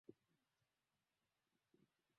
azma yake ya kutaka kuwa rais hivyo kuiingiza